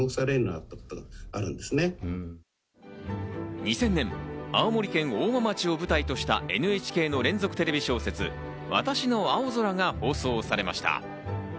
２０００年、青森県大間町を舞台としたＮＨＫの連続テレビ小説『私の青空』が放送されました。